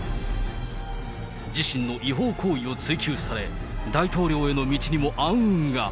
自身の違法行為を追及され、大統領への道にも暗雲が。